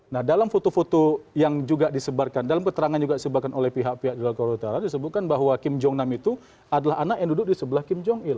nah dalam foto foto yang juga disebarkan dalam keterangan juga disebarkan oleh pihak pihak di luar korea utara disebutkan bahwa kim jong nam itu adalah anak yang duduk di sebelah kim jong il